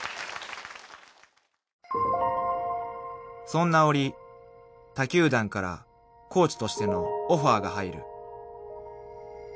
［そんな折他球団からコーチとしてのオファーが入る］